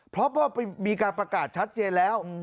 เพราะว่ามีการประกาศชัดเจนแล้ว